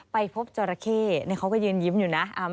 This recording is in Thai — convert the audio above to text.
ไปพบจราเข้เขาก็ยืนยิ้มอยู่นะ